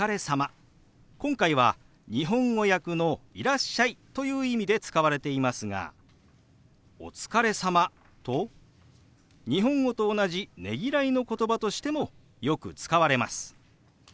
今回は日本語訳の「いらっしゃい」という意味で使われていますが「お疲れ様」と日本語と同じねぎらいのことばとしてもよく使われます。